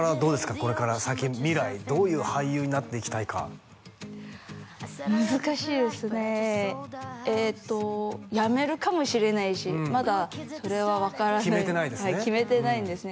これから先未来どういう俳優になっていきたいか難しいですねえっとやめるかもしれないしまだそれは分からない決めてないですね決めてないんですね